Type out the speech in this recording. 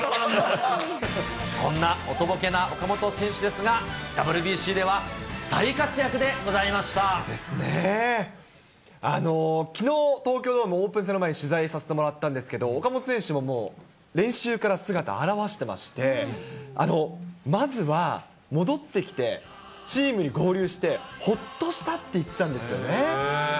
こんなおとぼけな岡本選手ですが、ＷＢＣでは大活躍でございきのう、東京ドーム、オープン戦の前に取材させてもらったんですけれども、岡本選手ももう、練習から姿、現してまして、まずは戻ってきて、チームに合流して、ほっとしたって言ってたんですよね。